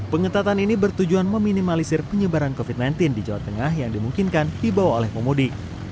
pengetatan ini bertujuan meminimalisir penyebaran covid sembilan belas di jawa tengah yang dimungkinkan dibawa oleh pemudik